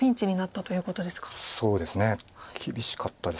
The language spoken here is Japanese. そうですね厳しかったです